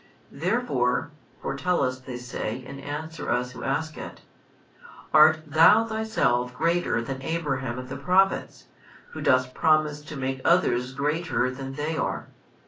Therefore (for tell us, they say, and answer us who ask it) art thou thyself greater than Abraham and the Prophets, who dost promise to make others greater than they are?